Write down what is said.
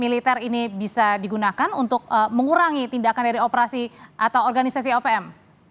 militer ini bisa digunakan untuk mengurangi tindakan dari operasi atau organisasi opm